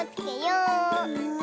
うん？